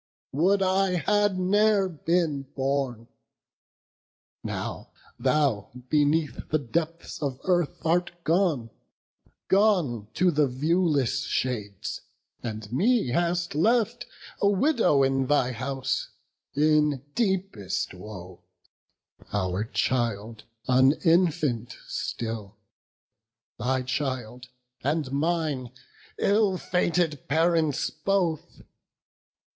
would I had ne'er been born! Now thou beneath the depths of earth art gone, Gone to the viewless shades; and me hast left A widow in thy house, in deepest woe; Our child, an infant still, thy child and mine, Ill fated parents both!